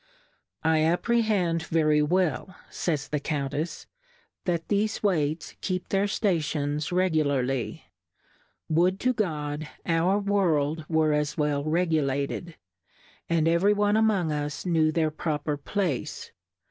I apprehend very well, fays the Couju tefs^ that thefe Weights keep their Sta tions regularly. Would to God, our World were as well regulated, and eve ry one among us knew their proper Place.